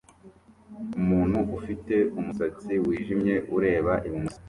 Umuntu ufite umusatsi wijimye ureba ibumoso